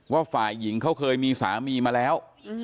ฝ่ายหญิงเขาเคยมีสามีมาแล้ว